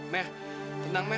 mer tenang mer